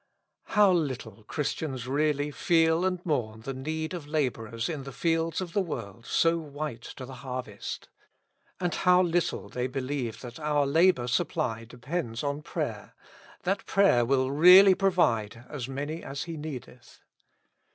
How little Christians really feel and mourn the need of laborers in the fields of the world so white to the harvest. And how little they beheve that our labor supply depends on prayer, that prayer will really provide "as many as he needeth."